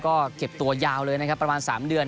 ก็เก็บตัวยาวเลยนะครับประมาณ๓เดือน